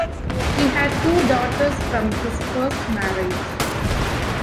He had two daughters from his first marriage.